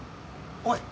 おい！